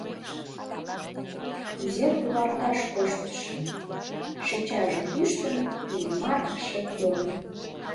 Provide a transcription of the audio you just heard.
— Кузе туларташ коштытшо? — шинчажым ӱштын, Иллимар шып йодо.